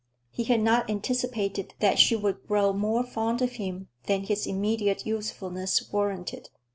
He had not anticipated that she would grow more fond of him than his immediate usefulness warranted.